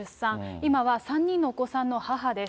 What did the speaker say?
今は３人のお子さんの母です。